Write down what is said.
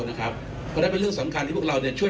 นะครับเพราะนั้นเป็นเรื่องสำคัญที่พวกเราเนี้ยช่วย